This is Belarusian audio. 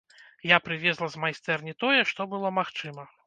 Я прывезла з майстэрні тое, што было магчыма.